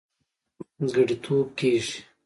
منځګړتوب کېږي.